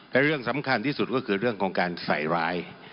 และเรื่องสำคัญที่สุดก็คือเรื่องของการใส่ร้าย